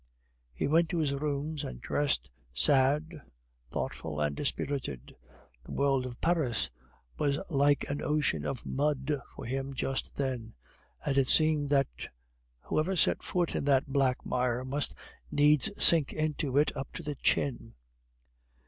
He went to his rooms and dressed, sad, thoughtful, and dispirited. The world of Paris was like an ocean of mud for him just then; and it seemed that whoever set foot in that black mire must needs sink into it up to the chin.